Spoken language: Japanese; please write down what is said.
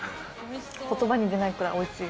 言葉に出ないくらい、おいしい！